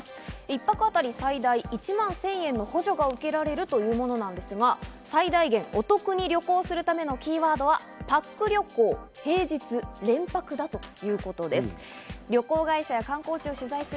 一泊あたり最大１万１０００円の補助が受けられるというものなんですが、最大限お得に旅行するためのキーワードはパック旅行、平日、連泊だということです。